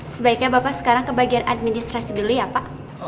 sebaiknya bapak sekarang ke bagian administrasi dulu ya pak